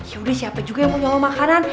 yaudah siapa juga yang mau nyolong makanan